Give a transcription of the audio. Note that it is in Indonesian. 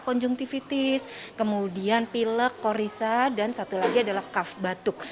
konjungtivitis kemudian pilek korisa dan satu lagi adalah kaf batuk